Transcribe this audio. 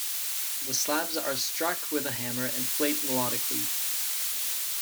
The slabs are struck with a hammer and played melodically.